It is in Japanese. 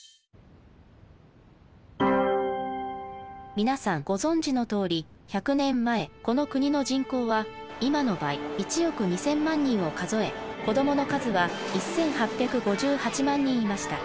皆さんご存じのとおり１００年前この国の人口は今の倍１億２，０００万人を数え子どもの数は１，８５８万人いました。